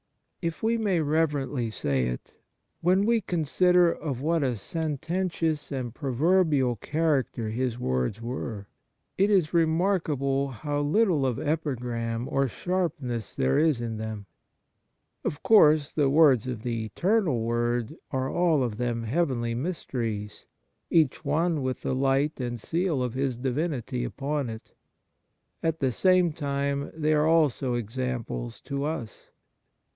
If we may reverently say it, when we con sider of what a sententious and proverbial character His words were, it is remarkable how little of epigram or sharpness there is 78 Kindness m them. Of course the words of the Eternal Word are all of them heavenly mysteries, each one with the light and seal of His Divinity upon it. At the same time they are also examples to us.